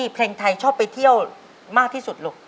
เพลงไทยชอบไปเที่ยวมากที่สุดลูก